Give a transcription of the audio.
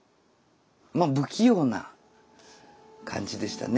まあ不器用な感じでしたね。